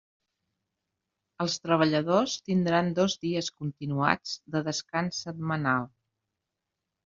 Els treballadors tindran dos dies continuats de descans setmanal.